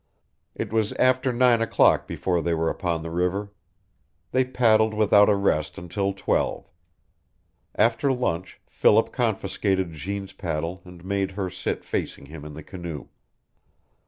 It was after nine o'clock before they were upon the river. They paddled without a rest until twelve. After lunch Philip confiscated Jeanne's paddle and made her sit facing him in the canoe.